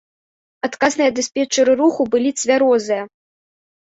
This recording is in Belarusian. Адказныя дыспетчары руху былі цвярозыя.